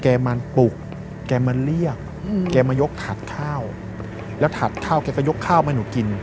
มาปลุกแกมาเรียกแกมายกถัดข้าวแล้วถัดข้าวแกก็ยกข้าวมาให้หนูกิน